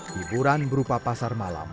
hiburan berupa pasar malam